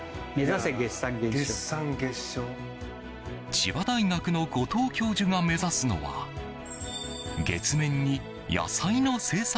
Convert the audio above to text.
千葉大学の後藤教授が目指すのは月面に野菜の生産